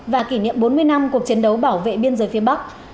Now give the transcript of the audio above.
và kỷ niệm bốn mươi năm cuộc chiến đấu bảo vệ biên giới phía bắc